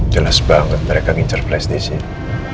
jelas banget mereka ngincer flash di sini